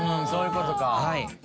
そういうことか。